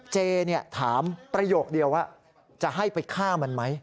เจถามประโยคเดียวว่าจะให้ไปฆ่ามันไหม